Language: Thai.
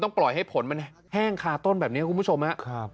ปล่อยให้ผลมันแห้งคาต้นแบบนี้คุณผู้ชมครับ